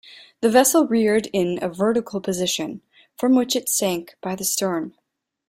The vessel reared in a vertical position, from which it sank by the stern.